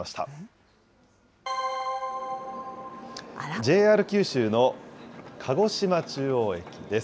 ＪＲ九州の鹿児島中央駅です。